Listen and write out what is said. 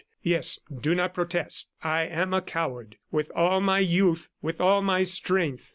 Yes, do not protest, I am a coward with all my youth, with all my strength.